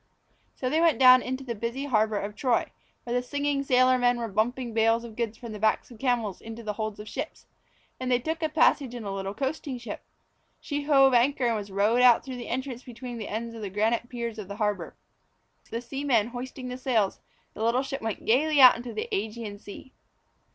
So they went down into the busy harbour of Troy, where the singing sailor men were bumping bales of goods from the backs of camels into the holds of the ships, and they took a passage in a little coasting ship. She hove anchor and was rowed out through the entrance between the ends of the granite piers of the harbour. The seamen hoisting the sails, the little ship went gaily out into the Ægean Sea.